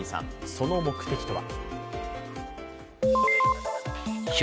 その目的とは？